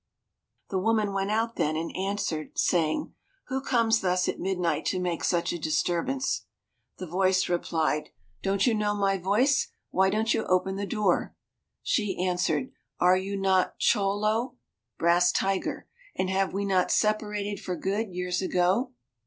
The woman went out then and answered, saying, "Who comes thus at midnight to make such a disturbance?" The voice replied, "Don't you know my voice? Why don't you open the door?" She answered, "Are you not Chol lo (Brass Tiger), and have we not separated for good, years ago?